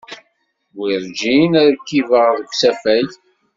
Werjin rkibeɣ deg usafag.